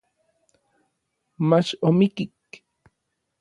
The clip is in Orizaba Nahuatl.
mach omikik.